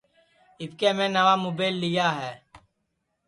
اِٻکے میں نئوا مُبیل لیا ہے